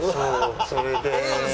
それで。